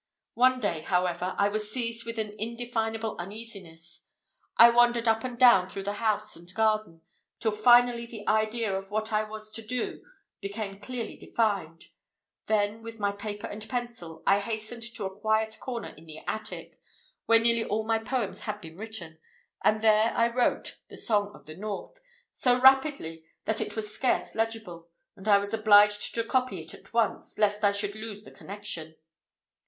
One day, however, I was seized with an indefinable uneasiness. I wandered up and down through the house and garden, till finally the idea of what I was to do became clearly defined; then, with my paper and pencil, I hastened to a quiet corner in the attic, where nearly all my poems had been written, and there I wrote the Song of the North so rapidly, that it was scarce legible, and I was obliged to copy it at once, lest I should lose the connection.